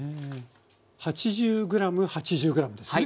８０ｇ８０ｇですね？